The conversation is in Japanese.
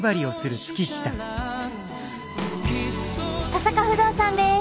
登坂不動産です。